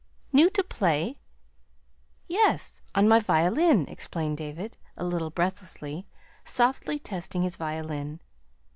"New to play?" "Yes on my violin," explained David, a little breathlessly, softly testing his violin.